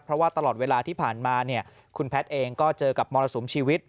เพราะว่าตลอดเวลาที่ผ่านมาเนี่ยคุณแพทย์เองก็เจอกับมรสุมชีวิต